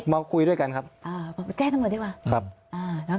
พี่พร้อมทิพย์คิดว่าคุณพิชิตคิดให้หรือว่าคุณพิชิตคิด